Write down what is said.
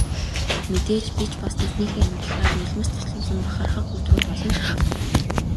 Мэдээж би ч бас тэднийхээ амжилтаар нулимс дуслуулан бахархах өдрүүд олон тохиолддог.